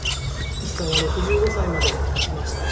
一茶は６５歳まで生きました。